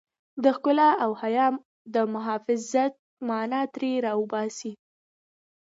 د ښکلا او حيا د محافظت مانا ترې را وباسي.